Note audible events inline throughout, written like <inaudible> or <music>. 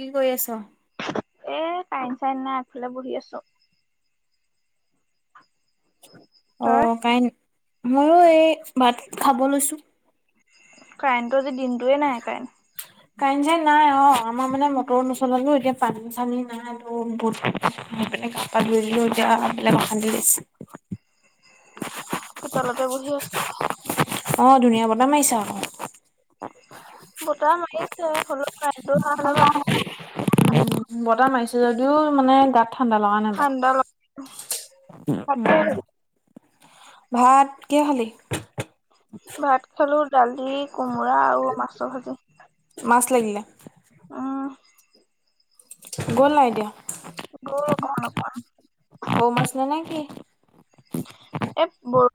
কি কৰি আছ? এ, কাইন চাইন নাই আগফালে বহি আছোঁ। তই অ', কাইন মইওঁ এই ভাত খাব লৈছোঁ। কাৰেণ্টটো আজি দিনটোৱে নাই কাৰেণ্ট। কাইন চাইন নাই অ', আমাৰ মানে মটৰ নচলালোঁ এতিয়া পানী চানী নাই। বেলেগ পানীয়ে গা পা ধুই আহিলোঁ এতিয়া বেলেগ অশান্তি লাগিছে। চোতালতে বহি আছোঁ। অ', ধুনীয়া বতাহ মাৰিছে আকৌ। বতাহ মাৰিছে হলেওঁ কাৰেণ্ট টো অহা হ'লে ভা বতাহ মাৰিছে যদিও মানে গাত ঠাণ্ডা লগা নাই। ঠাণ্ডা লগা নাই তাকেহে। ভাত কিহে খালি? ভাত খালোঁ দালি কোমোৰা আৰু মাছ ভাজি। মাছ লাগিলে? উম। গ'ল নাই এতিয়া গ'ল অকমান অকমান সৰু মাছ ন নেকি? এ, বৰ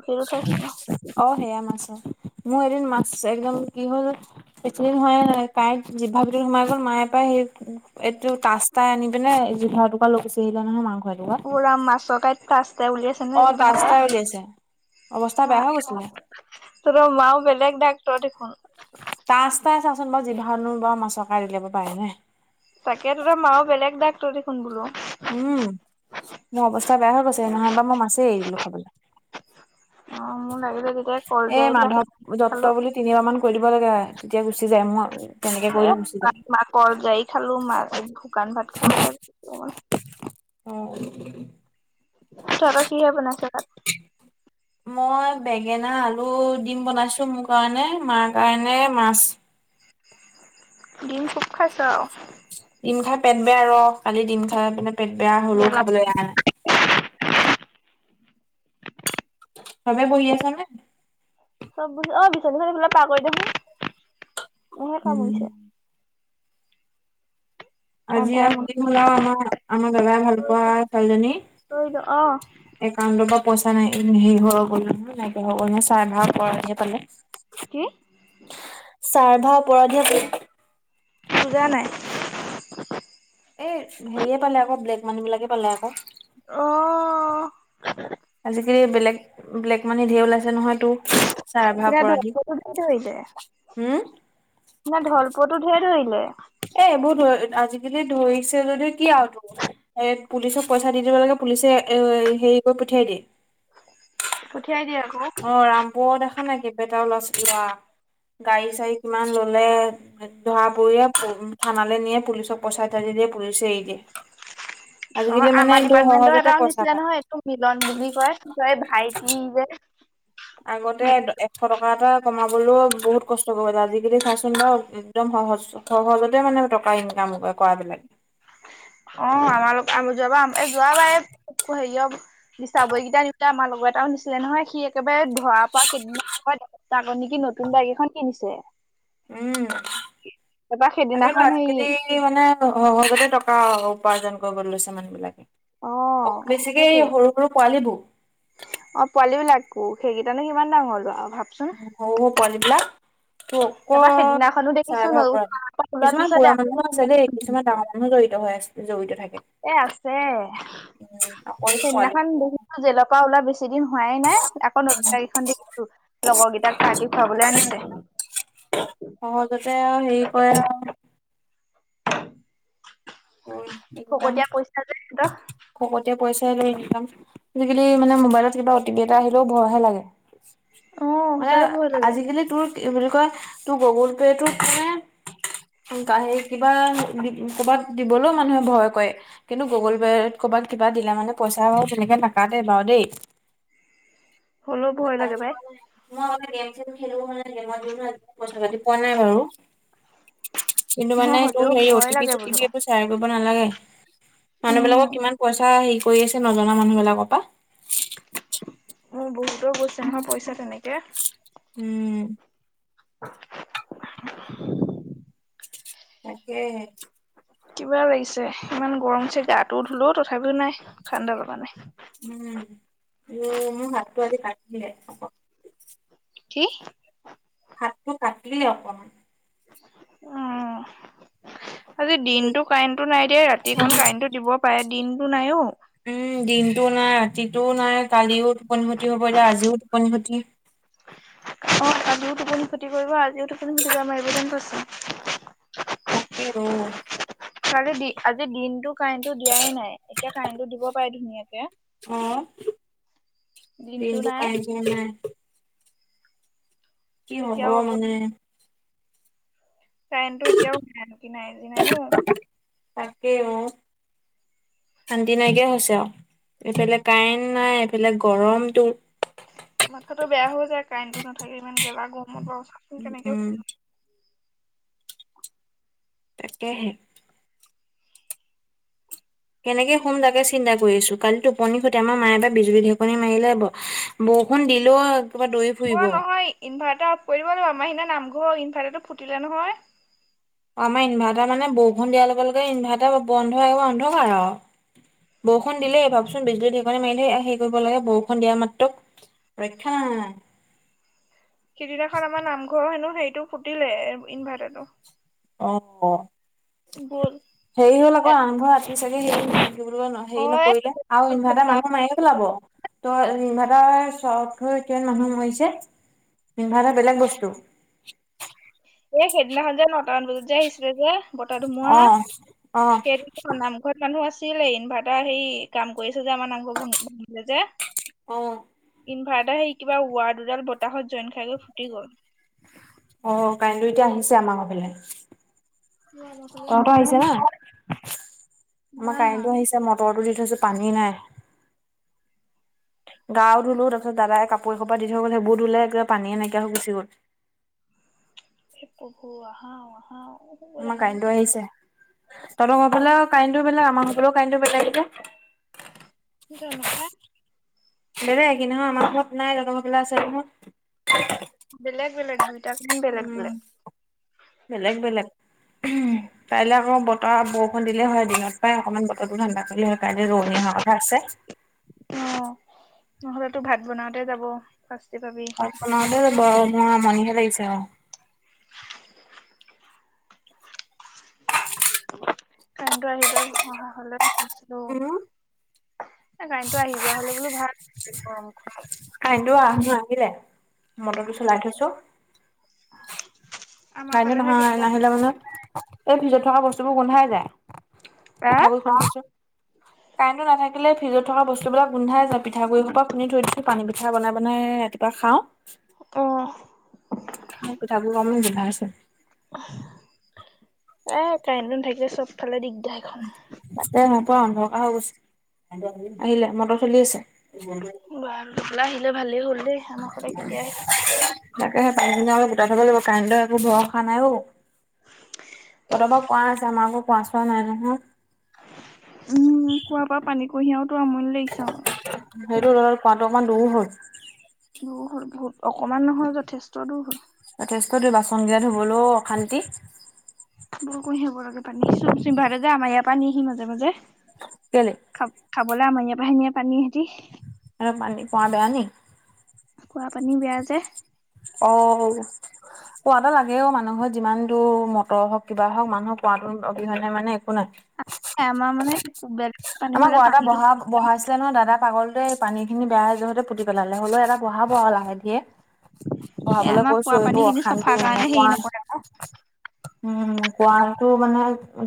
অ', সেয়া মাছহে মোৰ এদিন মাছ একদম কি হ'ল। বেছিদিন হোৱা নাই, কাঁইট জিভা ভিতৰত সোমাই গ'ল মায়ে পাই সে এইটো তাষ্টাই আনি পিনে জিভা এটোকুৰা লৈ গুচি আহিলে নহয় মাংস এটুকৰা। পুৰা মাছ কঠটা আছে উলিয়াইছে নে অ জিভাৰ পৰা তচ্তা উলিয়াইছে অৱস্থা বেয়া হৈ গৈছিলে তোৰ মাও বেলেগ ডাক্তৰ দেখোন তাছ ত চাচোন বাৰ জিভা বাৰ মাছৰ ক লব পাৰি নে তাকে তোতাৰ মাও বেলেগ দাক ত দেখোন বোলো উম মোৰ অৱস্থা বেয়া হৈ গৈছে নহয়ব মই মাছেই এৰিলো খাবলৈ অ মোৰ লাগি লাগি এ মানাধৱ যত্ত বুলি তিনিবাৰ মান কৰি দিব লাগে তেতিয়া গুচি যায় মোৰ তেনেকে কৰি এ দিও গুচি যায় ম কল যাই খালো মা শুকান ভাত খালো দ অ তৰ কিহে বনাইছো তাত মই বেঙেনা আলু দিম বনাইছো মোৰ কাৰণে মাৰ কাৰণে মাছ দম খুব খাইছ আৰু দম খাই পেট বেয়া ৰ কালি দম খাই মানে পেট বেয়া হলেও গেলা খাবলৈ অহা নাই তমে বহ আছ নে চব বুজি অ বিচনীচন ফা পাৰ কৰি দেখোন এহে কাম উম হৈছে আজি আন্ধাৰে আৰু হলও আমাৰ আমাৰ দাদাই ভাল পোৱা ছোৱালীজনী মুন্ধাৰে কৰিলো অ একাউণ্টৰ পৰা পইচা নাই হেৰি হৈ গ'লো নহয় নাইকিয় হৈ গ'ল নহয় চাই ভাল কৰাহে পালে কি চাৰ ভাপৰধীয়া বুজা নাই <inaudible> এই হেৰিয়ে পালে আকৌ ব্লেক মান বিলাকে পালে আকৌ অ আজিকালি বেলেগ বেলেগ মানহে ধঢেৰ ওলাইছে নহয়তো না ধল্পতটো ধেৰলে হম না ধল্পতটো ধঢেৰ কৰিলে এবোৰ ধ আজিকালি ধৰিছে যদিও কি আৰু তম এ পুলিচক পইচা দি দিব লাগে পুলিচে এ হেৰি কৰি পঠিয়াই দিয়ে পঠিয়াই দিয়ে আকৌ অ ৰামপুৰত দেখা নাই কেইবটাও লৰা ছোৱা গাড়ী চাড়ী কিমান ললে ধৰা পৰিুয়ে থানালে নে পুলিচক পচাই থাজি দিয়ে পুলিচে এৰি দিয়ে অ আজিকালি মানে আমাৰ কিটো ডিপাৰ্টমেন্টৰ সহজতে এটাও পইচা নিছিলে পাত নহয় মিলন বুলি কয় কয় ভাইটি যে আগতে এশ টকা এটা কমাবলৈও বহুত কষ্ট কৰিবে আজিকালি চাচোন বাৰু একদম সহজ সহজতে মানে টকা ইনকাম কৰাবলাক অ আমাৰ যোৱাবাৰ এ যোৱাবাৰ হেৰি নিচাবৈকেইটা নাই আমাৰ লগৰ এটাও নিছিলে নহয় সি একেবাৰে ধৰা পৰা কেইদিনমান তাকত নেকি নতুন বাইগ এখন কিনিছে উম তাৰপৰা আগে সেইদিনাখন হেৰি ৰাতি মানে সহজতে টকা উপাৰ্জন কৰিবলৈ লৈছে মানুহ বিলাকে অ বেছিকে সৰু সৰু পোৱালী বোৰ অ' পোৱালী বিলাকো, সেইকেইটানো কিমান ডাঙৰ ল'ৰা আৰু ভাবচোন। সৰু, সৰু পুৱালিবিলাক। তাৰপৰা অ-অকল সেইদিনাখনো দেখিছো চাইবাৰ অপৰাধী ওলোৱাৰ কিছুমান পিছতে বুঢ়া মানুহো আছে দেই, কিছুমান আকৌ ডাঙৰ মানু নুহ জড়িত হৈ আছে, জড়িত থাকে। এ' আছে। উম' আপ সেইদিনাখন বহুটো জেলৰপৰা ওলাই বেছি ধেইদিন হোৱাই নাই আকৌ নতুন গাড়ীখন দেখিছোঁ, লগৰকেইটাক কালি খুৱাবলৈ আনিছে। সহজতে আৰু হেৰি কৰে আ। ফকতিয়া পইচা যে সিহঁতৰ। ফকতিয়া পইচাই ইনকাম। আজিকালি মানে মবাইলত কিবা অ টি পি এটা আহিলেও ভয় হে লাগে। অ মানে সঁচাকে ভয় লাগে। আজিকালি তোৰ কি বুলি কয়, তোৰ গুগোল পে টোত মানে <inaudible> কিবা দি কৰবাত দিবলৈও মানুহে ভয় কৰে। কিন্তু গুগোল পে'ত ক'ৰবাত কিবা দিলে মানে পইচা বাৰু তেনেকে নাকাতে বাৰু দেই। হ'লেও ভয় লাগে পাই। মই আগতে গেম-ছেম খেলো, গেমত আজিলৈকে পইচা-পাতি পোৱা নাই বাৰু। কিন্তু অ মানে তোৰ হ'লেও হেৰি ভয় লাগে বোলো। অতিপি-চটিপি এইবোৰ চব চেয়াৰ কৰিব নালাগে, মানুহ উম বিলাকক কিমান পইচা হেৰি কৰি আছে, নজনা মানুহ বিলাকৰ পৰা। মোৰ বহুতৰ গৈছে হেনো পইচা তেনেকে। উম। <unintelligible> তাকেহে। কিবা লাগিছে, ইমান গৰম যে গাটোও ধুলোও তথাপিও নাই, ঠাণ্ডা ল'গা নাই। উম, মোৰ হাতটো আজি কাটিলে। কি? হাতটো কাটিলে অকমান। অহ'। আজি দিনতটো কাৰেণ্টটো নাই দিয়া, ৰাতিকন কাৰেণ্টটো দিব পাৰে, দিনটো নাইও। উম, দিনটো নাই ৰাতিটোও নাই, কালিও টোপনি ক্ষতি হ'ব এতিয়া, আজিও টোপনি ক্ষতি। অ' আজিও টোপনি ক্ষতি কৰিব, আজিও টোপনি ক্ষতি কৰি মাৰিব যেন পাইছোঁ। তাকে অ'। কালি দিন, আজি দিনটো কাৰেণ্টটো দিয়াই নাই, এতিয়া কাৰেণ্টটো দিব পাৰে ধুনীয়াকে। অহ' দিনটো কাৰেণ্ট দিনটো নাই দিয়া নাই। কি হ'ব এতিয়াও আকৌ মানে। কাৰেণ্টটো এতিয়াও কি নাই, কি নাই অ'। তাকে অ'। শান্তি নাইকিয়া হৈছে আৰু এইফালে কাৰেণ্ট নাই, এইফালে গৰমতটো। মাথা টো বেয়া হৈ যায়, কাৰেণ্ট টো নাথাকে ইমান গেলা গৰমত বাৰু। কেনেকে উম। তাকেহে। কেনেকে শুম তাকে চিন্তা কৰি আছো, কালি টোপনি ক্ষতি আমাৰ মায়ে বা বিজুলী ঢেকনি মাৰিলে বৰ বৰষুণ দিলেওঁ কিবা দৌৰি ফুৰিব অ' নহয় ইনভাৰ্টাৰ অফ কৰিব লাগিব, আমাৰ সিদিনা নামঘৰৰ ইনভাৰটাৰটো ফুটিলে নহয়। অ' আমাৰ ইনভাৰ্টাৰ মানে বৰষুণ দিয়াৰ লগে লগে ইনভাৰ্টাৰ বন্ধ বন্ধ হয় আৰু। বৰষুণ দিলেই ভাবচোন বিজুলী-ঢেৰেকণি মাৰিলে এয়া হেৰি কৰিব লাগে, বৰষুণ দিয়াৰ মাত্ৰক। ৰৈখা নাই। সিদিনাখন আমাৰ নামঘৰৰ হেনো সেইটো ফুটিলে, ইনভাৰ্টাৰটো। অহ'। গ'ল। হেৰি হ'ল আকৌ আমধৰ ৰাতিপ চি হেৰি অ' নকৰিলে আৰু ইনভাৰ্টাৰ মানুহ মাৰে চেলাব তই ইনভেটাৰ চৰত হৈ কিমান মানুহ মৰিছে। ইনভাইৰ্টাৰ বেলেগ বস্তু। এই সেইদিনাখন যে নটামান বজাত যে আহিছিলে যে বতাহ ধুমুহা অ', অ', সেইদিনা খন নামঘৰত মানুহ আছিল ইনভাইৰ্টাৰ সেই কাম কৰিছে যে আমাৰ নামঘৰ যে অ' ইনভাৰ্টাৰ সেই কিবা ৱাল দুডাল বতাহত জইন খাই গৈ ফুটি গ'ল। অ' কাৰেণ্টটো এতিয়া আহিছে আমাৰ হেই ফালে তহঁতৰ আহিছে না, আমাৰ ইমান হা কাৰেণ্টটো আহিছে। এতিয়া মটৰটো দি থৈছোঁ পানী নাই। গাও ধুলো তাৰপিছ দাদাই কাপোৰ এশোপা দি থৈ গ'ল সেইবোৰলে পানীয়ে নাইকিয়া হৈ গুচ গ'ল। প্ৰভু আহা আহা। আমাৰ কাইণ্টো আহিছে, তহঁত সেইফালেও কাইণ্টো বেলেগ, আমাৰ ইফালেও কাইন্টো বেলেগ, এতিয়া <unintelligible> দাদা এইকেইদিন হ'ল আমাৰ ঘৰত নাই। দোকান ফালে আছে নহয়। বেলেগ-বেলেগ দুইটাক উম, বেলেগ-বেলেগ উম। কাইলৈ আকৌ বতৰ, বৰষুণ দিলে হয় দিনত পায় অকণমান বতৰটো ঠাণ্ডা কৰিলে হয়, কাইলৈ ৰোৱনী অহাৰ কথা আছে। অ নহ'লেতো ভাত বনাওঁতে যাব শাস্তি পাবি। ভাত বনাওতে যাব মোৰ আমনিহে লাগিছে আৰু। কাইন্টো আহিলে, অহা হ'লে আছিলোঁ। উম, এ কাৰেণ্টটো আহি যোৱা হ'লে বোলো ভাল আছিল গৰমখনত। কাৰেন্টো আহ আহিলে মটৰটো চলাই থৈছোঁ। আমাৰ কাইলৈ ফালেহে নহয় কেতিয়া নাহিলে মানে এই ফিজত থকা বস্তুবোৰ গোন্ধাই যায় আহ পিঠাবোৰ খো কাৰেণ্টো নাথাকিলে ফিজত থকা বস্তুবিলাক গোন্ধাই যায়। পিঠাগুড়ি শোপা খুন্দি থৈ দিছোঁ। পানী পিঠা বনাই-বনাই ৰাতিপুৱা খাওঁ। অ পিঠাবোৰ আকমান গোন্ধাই আছে। এ কাৰেণ্টন নাথাকিলে চবফালে দিগদাৰ। এখন তাতে ন' পুৰা অন্ধৰকাৰ হৈ গৈছে, আহিলে মটৰ চলি আছে। বাৰু <unintelligible> আহিলে ভালেই হ'ল দেই। আমাৰ ফালে কেতিয়া আহে তাকেহে পানী-চানী অকন গোটাই থব লাগিব কাৰেন্টৰ একো ভৰসা নাই অহ। তহঁতৰ বাৰু কোৱা আছে, আমাৰ আকৌ কোৱা-চোৱা নাই নহয়। উম, কোৱাৰ পৰা পানী কঢ়িয়াওটে আমনি লাগিছে আৰু। সেইটো তহঁতৰ কোৱা অকমান দূৰ হ'ল। দুৰ হ'ল বহুত, অকমান নহয় যথেষ্ট দূৰ হ'ল। যথেষ্ট দূৰ বাচন গিলা ধুবলৈও অশান্তি। বহুত কঢ়িয়াব লাগে পানী, চিম-চিম ভাৰতে যে আমাৰ ইয়াৰ পৰা নিহহি মাজে-মাজে। কেলে? খাব-খাবলৈ আমাৰ পৰাহে নিয়ে পানী সিঁহতে। আৰু পানী পা বেয়া নি? কোৱাৰ পানী বেয়া যে। ঔ। কুঁৱাতো লাগে অহ মানুহৰ যিমান দূৰ মটৰ হওঁক, কিবা হওঁক, মানুহক কুঁৱাতোৰ অবিহনে মানে একো নাই। এ আমাৰ মানে বে আমাৰ গঢ় এটা বহা বহাইছিলে নহয় দাদা পাগলটোৱে পানীখিনি বেয়া হৈ যাওঁতে পুতি পেলালে, হ'লেও এটা বহাব আৰু লাহে ধিৰে। এ বঢ়াবলে আমাৰ খোৱা কৈছো পানী এইবোৰ খিনি চফাৰ অশান্তি কাৰণে মানে হেৰি কোৱা নকৰে আকৌ উম, কুঁৱাটো মানে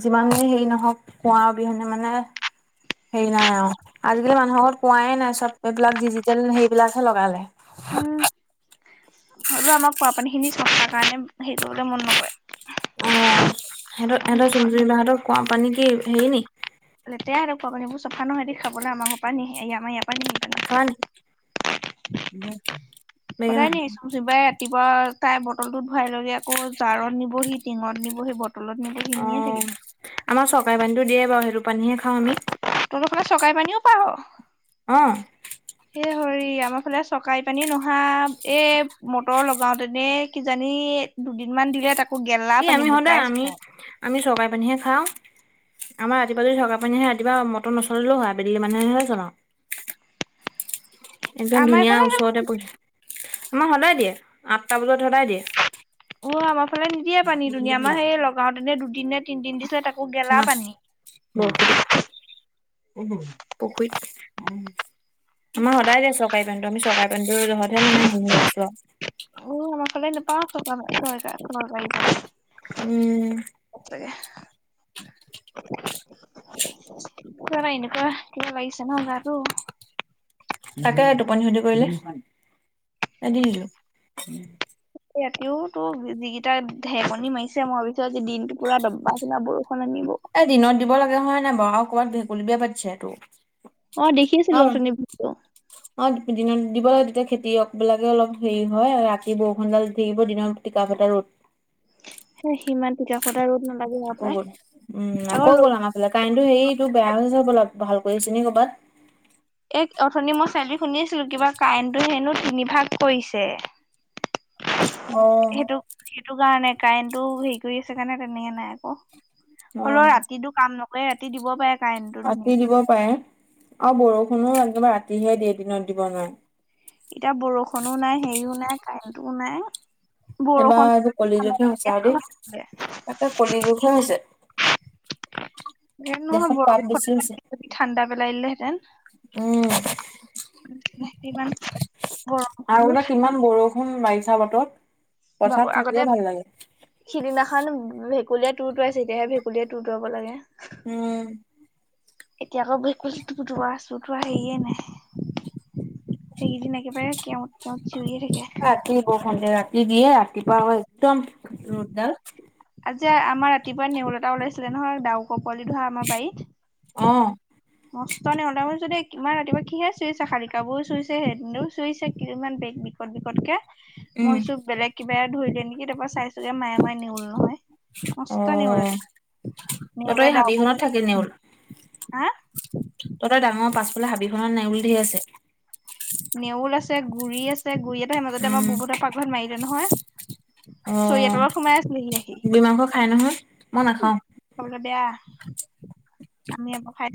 যিমানেই হেৰি নহওঁক কুঁৱাৰ অবিহনে মানে হেৰি নাই আৰু। আজিকালি মানুহৰ আগত কুঁৱাই নাই চব এইবিলাক ডিজিটেল সেইবিলাকহে লগালে। উম, আৰু আমাক কুঁৱাৰ পানীখিনি চকাৰাৰ কাৰণে হেৰি কৰিবলৈ মন নকৰে। অহ, সিহঁতৰ, সিহঁতৰ-সিহঁতৰ চুজুৰিমা হাতৰ কুঁৱম পানী কি হেৰি নি। লেতোই আৰু কুঁৱা পানীবোৰ চফা নহয় দি খাবলৈ আমাৰ ঘৰৰ পৰা নিয়ে এই আমৰ ইয়াত ভাত খালা নেকি? বেঙেনা সদায় নিয়ে চুমজুৰিবাই ৰাতিপুৱা তাই বটলটোত ভৰাই লৈ আকৌ জাৰত নিবহি টিংত নিবহি ব অহ, আমাৰ চৰকাৰী পানীতটো দিয়ে বাৰু সেইটো পানীহে খাওঁ আমি। তহঁতৰ ফালে চৰকাৰী পানীও পাওঁ হ'। অ সে হৰি আমাৰ ফালে চকাই পানী নোহা এই মটৰৰ লগত গাওঁতেনে কিজানি দুদিনমানান দিলে তাকো গেলা এই আমি পানী সদায় বুকাই আমি চুকাই আমি চকাই পানীহে খাওঁ আমাৰ ৰাতিুৱা যদি থকা পানহ ৰাপুৱা মটৰ নচলিলেও হয় ববেলি মানুে চলও একদম আমাৰ ধুনীয়া এইফালে ওচৰতে পৰি আমাৰ সদায় দিয়ে আঠটা বজাত সদায় দিয়ে উ আমাৰ ফালে নিদিয়ে পানী দুুনীয়া আমাৰ সেই লগাওঁতেনে দুদিন নে তিনদিন দিনা তাকো গেলা মাছ পানী বৰশীটো প উ পুখুৰীত উ আমাৰ সদায় দিয় চৰকাৰী পেনটো আমি চৰকাৰী পেণ্টটো জহতহে মানে হেৰি হৈ আছো আৰু উ ন চে প উম সাগে তৰা হিনেুৱ ক লাগিছে ন গাাৰো তাকে টোপনি সুধ কৰিলে এদিল দিো ৰাতিও তো যিিকিটা েকনি মাৰিছে মাৰ পিছত দিনটো পুৰা দব্বা সিনা বৰষুণ আনিব এ দিনত দিব লাগে হয় নাই বাৰু আৰু ক'ৰবাত ভেকুলিবিয় পাতিছে তটো অ দেখিছিলো অু অ দিনত দিব লাগে তেতিয়া খেতিয়ক বিলাকে অলপ হেৰি হয় ৰাতি বৰষুডাল থাকিব দনৰত কা এটা ৰোত স সিমান টকাশত ৰ'দ নালাগে ন পায় আক আ কাইনটোো স এইটো বেয়া হৈছে বলপ ভাল কৰি আছেিনি কৰ'ৰবাত এই অথনি মই চেলেৰিী শুনি আছিলো কিবা কাৰেণ্টো হেনো তিনিভাগ কৰিছে অ', সেইটো সেইটো কাৰণে কাৰেণ্টটো হেৰি কৰি আছে কাৰণে তেনেকে নাই আকৌ অ', হলেও ৰাতিটো কাম নকৰে ৰাতি দিব পাৰে কাৰেণ্ট টো ৰাতি ধুনীয়াক দিব পাৰে আৰু বৰষুণোও একেবাৰে ৰাতিহে দ এ দিনত দিব নোৱ এতিয়া বৰষুণো নাই হেৰিও নাই কাৰেণ্টও নাই এবাৰ বৰষুণ এইবোৰ কলেজতহে সঁচা দেই ঠাণ্ডা এ কলি জোখে হৈছে দেশত পাপ বেছি হৈছে ঠাণ্া পেলাইিলেহেতেন উম, সেইমান আগতে গৰমবোৰ কিমান বৰষুণ বাগিচা বাতত বাবু আগতে সিদিনাখন ভেকুলীয়া তুৰ তটৰাাইছে তেতিাহে ভেকুলীয়া তৰ তৰাাব লাগে উম এতিয়া আকৌ বক বজোৱা আছো তোৱা হেয়ে নাই সেইকেইদিন একেবাৰে কেৱত কেওত চুৰিয়ে থাকে ৰাতি গ খে ৰাতি দিয়ে ৰাতিপুৱা একদম ৰ'দডাল আজি আমাৰ ৰাতিপুৱা নেউল এটা ওলাইছিলে নহয় ডাউ কপলি ধৰা আমাৰ বাৰীত অ নষ্ট নহ ত মোৰ যদি ইমান ৰাতিুৱা কিহে চুইছে শালী কাপোৰো চুইছে হেদিনো চুইছে কিমান বেগ বি বিত বিষতকে উম, মইো বেলেগ কিবা এ ধৰিলে নেকি তাৰপৰা চাইছোগে মায়ে মায়ে নিউল নহয়। মস্ত নেউল অ' এটা। ত ত নেউলে এই ডাউক হাবিখনত থাকে নেউল। হা তহঁতে ডাঙৰ পাছফালে হাবিখনত নে উলি ধি আছে। নেউল আছে গুৰি আছে গুৰি এটা সেই মাজতে আমাৰ উম, বুতৰ পাকঘৰত মাৰিলে নহয়। অ', চৰিয়াতলত সোমাই আছিলেহি আহি। বুঢ়ী মাংস খাই নহয়? মই নাখাওঁ। খবলৈ বেয়া আমি আকৌ খাইো